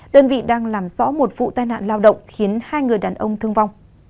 đơn vị đang làm rõ một vụ tai nạn lao động khiến hai người đàn ông thương vong